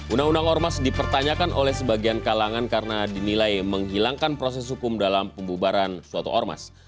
undang undang ormas dipertanyakan oleh sebagian kalangan karena dinilai menghilangkan proses hukum dalam pembubaran suatu ormas